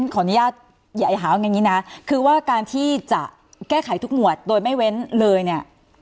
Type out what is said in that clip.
ขออนุญาตอย่าหาว่าอย่างนี้นะคือว่าการที่จะแก้ไขทุกหมวดโดยไม่เว้นเลยเนี่ย